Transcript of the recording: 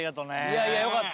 いやいやよかった。